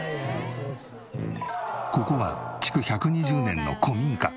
ここは築１２０年の古民家。